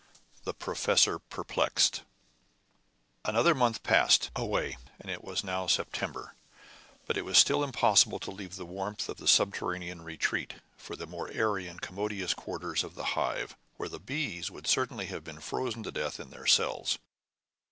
THE PROFESSOR PERPLEXED Another month passed away, and it was now September, but it was still impossible to leave the warmth of the subterranean retreat for the more airy and commodious quarters of the Hive, where "the bees" would certainly have been frozen to death in their cells.